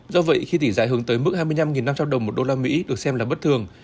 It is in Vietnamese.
do vậy khi tỷ giá hướng tới mức hai mươi năm năm trăm linh đồng một đô la mỹ được xem là bất thường